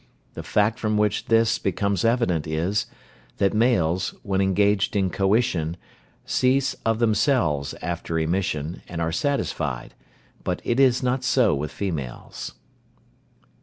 The fact from which this becomes evident is, that males, when engaged in coition, cease of themselves after emission, and are satisfied, but it is not so with females."